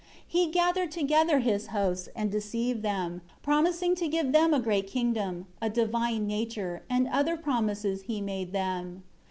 9 He gathered together his hosts, and deceived them, promising to give them a great kingdom, a divine nature; and other promises he made them.